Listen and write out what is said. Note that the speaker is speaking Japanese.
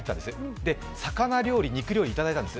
中華料理魚料理、肉料理いただいたんです。